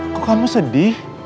kok kamu sedih